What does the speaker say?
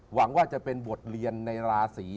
หวังว่าจะเป็นบทเรียนในราศี